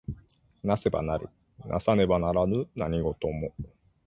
為せば成る為さねば成らぬ何事も。